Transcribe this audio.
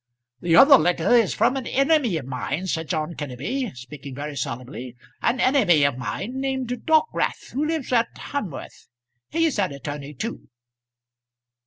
"The other letter is from an enemy of mine," said John Kenneby, speaking very solemnly; "an enemy of mine, named Dockwrath, who lives at Hamworth. He's an attorney too."